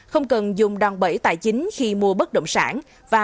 không cần dùng đòn bẫy tài chính khi mua bất động sản